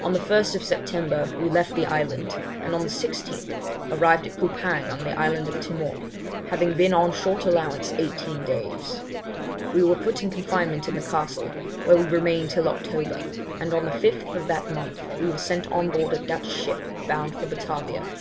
On the 1st September we left the island, and on the 16th, arrived at Coupang in the island of Timor, having been on short allowance eighteen days. We were put in confinement in the castle, where we remained till October, and on the 5th of that month were sent on board a Dutch ship bound for Batavia.